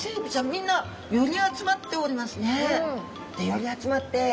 みんな寄り集まっておりますね。